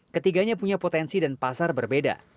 ketiganya punya potensi dan pasar berbeda